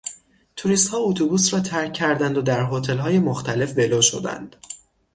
توریستها اتوبوس را ترک کردند و در هتلهای مختلف ولو شدند.